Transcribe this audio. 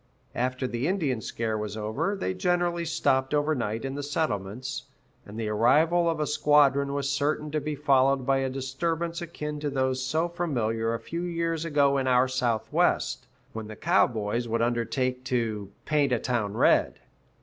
After the Indian scare was over, they generally stopped over night in the settlements, and the arrival of a squadron was certain to be followed by a disturbance akin to those so familiar a few years ago in our Southwest, when the cowboys would undertake to "paint a town red."